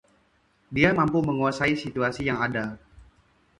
Dia mampu menguasai situasi yang ada.